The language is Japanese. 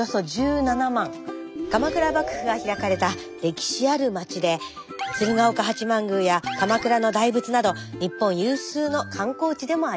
鎌倉幕府が開かれた歴史ある町で鶴岡八幡宮や鎌倉の大仏など日本有数の観光地でもあります。